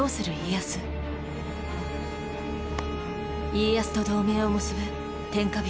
家康と同盟を結ぶ天下人